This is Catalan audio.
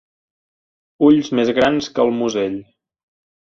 Ulls més grans que el musell.